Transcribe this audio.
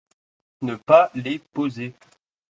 Ne pas les poser.